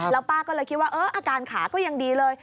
แล้วป้าก็เลยคิดว่าอาการขาก็ยังดีเลย